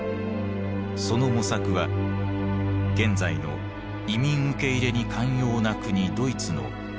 その模索は現在の移民受け入れに寛容な国ドイツの素地となっていく。